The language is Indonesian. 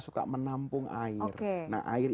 suka menampung air nah air